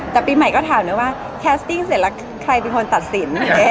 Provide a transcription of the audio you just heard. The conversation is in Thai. แต่ปีใหม่ก็ถามนะว่าแคสติ้งเสร็จแล้วใครเป็นคนตัดสิน